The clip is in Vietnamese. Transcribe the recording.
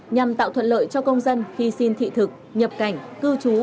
nhằm tạo thuận lợi cho công dân khi xin thị thực nhập cảnh cư trú